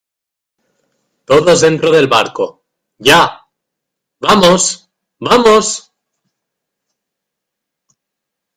todos dentro del barco ,¡ ya !¡ vamos , vamos !